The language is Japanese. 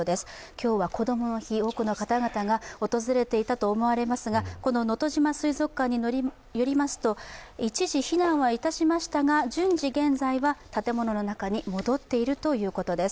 今日はこどもの日多くの方々が訪れていたと思われますがこののとじま水族館によりますと、一時避難はいたしましたが、順次、現在は建物の中に戻っているということです。